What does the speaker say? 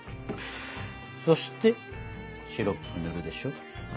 そしてシロップ塗るでしょ。